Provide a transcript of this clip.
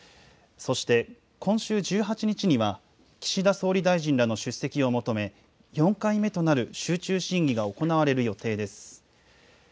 そして、今週１８日には、岸田総理大臣らの出席を求め、４回目となる集中審議が行われる予定です。